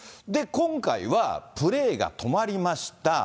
今回はプレーが止まりました。